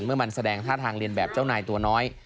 เมื่อมันแสดงท่าทางเรียนแบบเจ้านายตัวน้อย